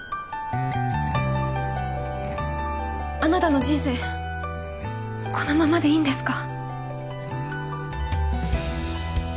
あなたの人生このままでいいんですか？